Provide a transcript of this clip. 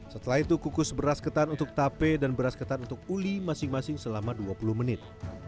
setelah itu kukus beras ketan untuk tape dan beras ketan untuk uli masing masing selama dua puluh menit